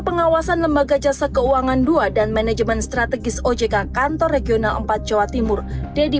pengawasan lembaga jasa keuangan dua dan manajemen strategis ojk kantor regional empat jawa timur deddy